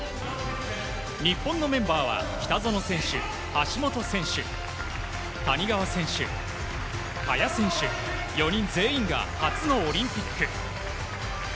日本のメンバーは北園選手、橋本選手谷川選手、萱選手４人全員が初のオリンピック。